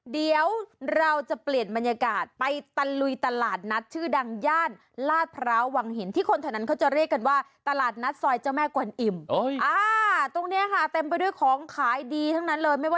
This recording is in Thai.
เดี๋ยวเราจะเปลี่ยนบรรยากาศไปตลุยตลาดนัดชื่อดั่งย่านลาทราวว๖๗